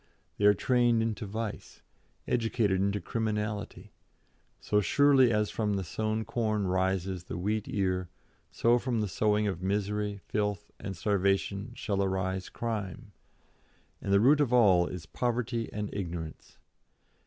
They are trained into vice, educated into criminality; so surely as from the sown corn rises the wheat ear, so from the sowing of misery, filth, and starvation shall arise crime. And the root of all is poverty and ignorance.